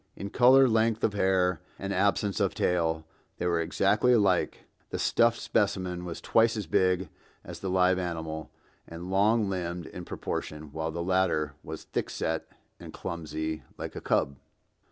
In color, length of hair, and absence of tail they were exactly alike. The stuffed specimen was twice as big as the live animal and long limbed in proportion, while the latter was thick set and clumsy like a cub.